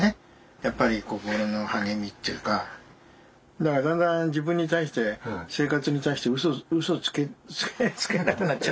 だからだんだん自分に対して生活に対してうそつけなくなっちゃったから。